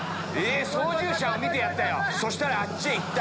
操縦者を見てやったよそしたらあっちへ行った。